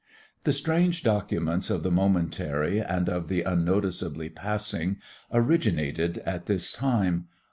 The strange documents of the momentary and of the unnoticeably passing, originated at this time.